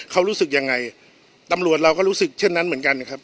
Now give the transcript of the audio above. เขารู้สึกยังไงตำรวจเราก็รู้สึกเช่นนั้นเหมือนกันครับ